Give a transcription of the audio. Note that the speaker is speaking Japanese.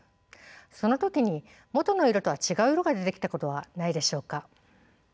その時に元の色とは違う色が出てきたことはないでしょうか？